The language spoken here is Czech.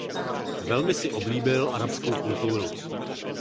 Velmi si oblíbil arabskou kulturu.